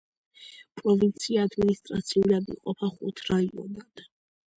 პროვინცია ადმინისტრაციულად იყოფა ხუთ რაიონად.